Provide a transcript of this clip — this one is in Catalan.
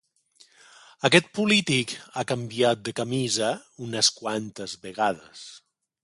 Aquest polític ha canviat de camisa unes quantes vegades.